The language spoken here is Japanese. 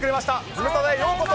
ズムサタへようこそ。